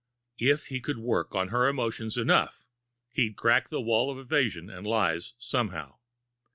If he could work on her emotions enough, he'd crack the wall of evasion and lies, somehow.